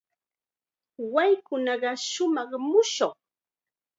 Waykunaqa shumaq mushkun.